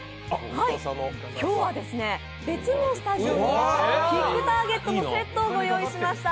今日は別のスタジオにキックターゲットのセットをご用意しました。